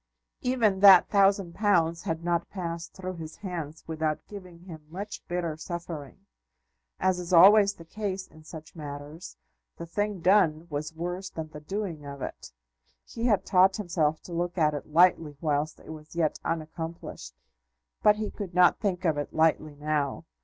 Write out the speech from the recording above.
Even that thousand pounds had not passed through his hands without giving him much bitter suffering. As is always the case in such matters, the thing done was worse than the doing of it. He had taught himself to look at it lightly whilst it was yet unaccomplished; but he could not think of it lightly now.